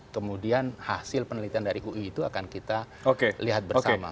kemudian hasil penelitian dari ui itu akan kita lihat bersama